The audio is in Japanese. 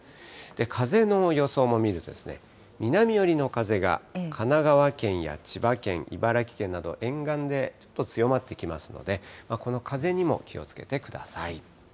風の予想も見ると、南寄りの風が、神奈川県や千葉県、茨城県など沿岸でちょっと強まってきますので、この風にも気をつけてください。